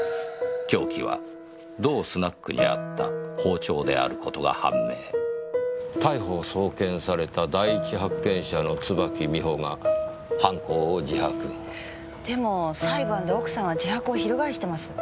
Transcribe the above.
「凶器は同スナックにあった包丁である事が判明」「逮捕送検された第一発見者の椿美穂が犯行を自白」でも裁判で奥さんは自白を翻してます。